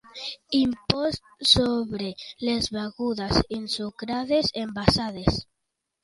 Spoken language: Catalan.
Impost sobre les begudes ensucrades envasades.